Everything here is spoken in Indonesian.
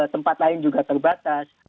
tempat lain juga terbatas